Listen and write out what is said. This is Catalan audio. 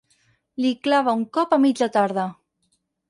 Li clava un cop a mitja tarda.